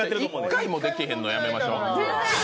一回もできへんのやめましょう。